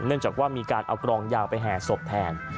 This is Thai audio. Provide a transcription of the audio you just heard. จากว่ามีการเอากรองยาวไปแห่ศพแทน